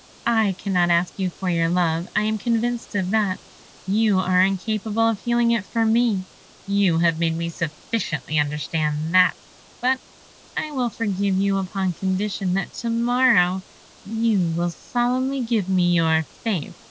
I cannot ask you for your love, I am convinced of that; you are incapable of feeling it for me; you have made me sufficiently understand that; but I will forgive you upon condition that to morrow you will solemnly give me your faith."